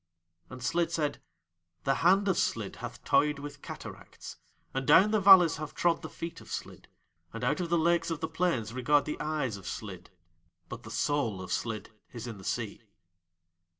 And Slid said: "The hand of Slid hath toyed with cataracts, and down the valleys have trod the feet of Slid, and out of the lakes of the plains regard the eyes of Slid; but the soul of Slid is in the sea."